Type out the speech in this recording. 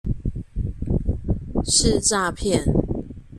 是詐騙